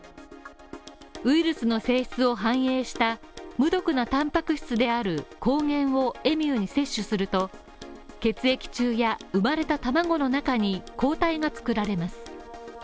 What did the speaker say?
ウイルスの性質を反映した無毒なタンパク質である抗原をエミューに摂取すると、血液中や、産まれた卵の中に抗体が作られます。